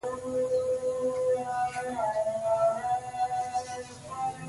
The Walton-on-the-Naze to Colchester local services are typically formed of four carriages.